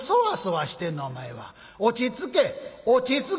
落ち着け落ち着け！」。